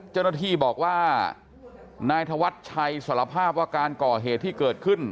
เจ้าหน้าที่บอกว่านายธวัชชัยสารภาพว่าการก่อเหตุที่เกิดขึ้น